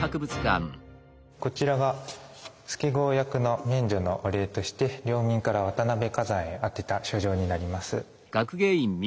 こちらが助郷役の免除のお礼として領民から渡辺崋山へ宛てた書状になります。